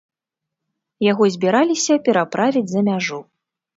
Яго збіраліся пераправіць за мяжу.